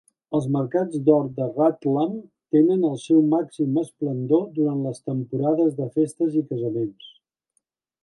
Els mercats d'or de Ratlam tenen el seu màxim esplendor durant les temporades de festes i casaments.